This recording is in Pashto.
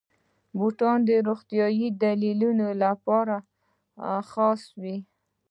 بوټونه د روغتیايي دلیلونو لپاره خاص وي.